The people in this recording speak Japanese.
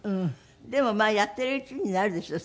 でもやってるうちになるでしょ